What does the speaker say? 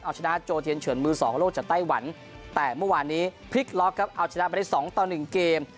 เอาชนะโจเทียนเฉินมือสองโลกจากไต้หวันแต่เมื่อวานนี้พลิกล็อกครับเอาชนะไปได้๒ต่อ๑เกม